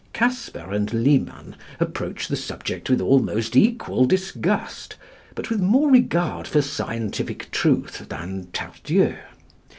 Casper and Liman approach the subject with almost equal disgust, but with more regard for scientific truth than Tardieu.